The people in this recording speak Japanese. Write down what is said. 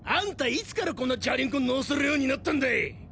いつからこんなジャリンコ乗せるようになったんだい！